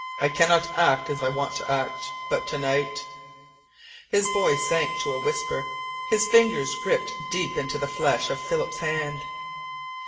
I cannot act as I want to act. But to night " His voice sank to a whisper. His fingers gripped deep into the flesh of Philip's hand.